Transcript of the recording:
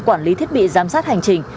quản lý thiết bị giám sát hành trình